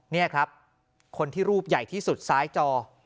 นี่ครับคนที่รูปใหญ่ที่สุดซ้ายจอ